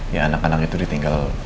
ya anak anak itu ditinggal